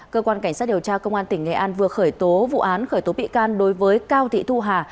cơ quan cảnh sát điều tra công an tỉnh nghệ an vừa khởi tố vụ án khởi tố bị can đối với cao thị thu hà